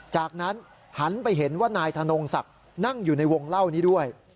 จากนั้นหันไปเห็นว่านายธนงศักดิ์นั่งอยู่ในวงเล่านี้ด้วย